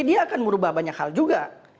dia akan merubah banyak hal juga